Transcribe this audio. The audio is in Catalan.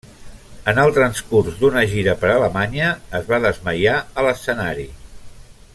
En el transcurs d'una gira per Alemanya es va desmaiar a l'escenari.